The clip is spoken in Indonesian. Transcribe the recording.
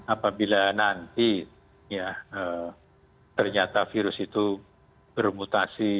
apabila nanti ternyata virus itu bermutasi